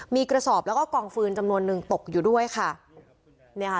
มีกระสอบแล้วก็กองฟืนจำนวนหนึ่งตกอยู่ด้วยค่ะเนี่ยค่ะ